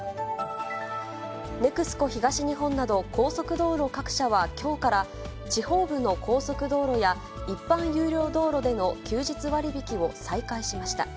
ＮＥＸＣＯ東日本など、高速道路各社はきょうから、地方部の高速道路や、一般有料道路での休日割引を再開しました。